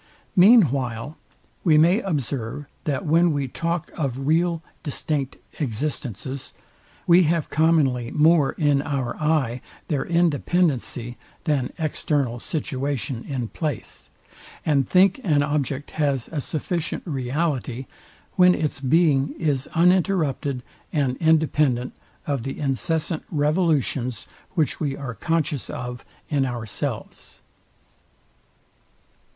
Mean while we may observe that when we talk of real distinct existences, we have commonly more in our eye their independency than external situation in place, and think an object has a sufficient reality, when its Being is uninterrupted, and independent of the incessant revolutions, which we are conscious of in ourselves.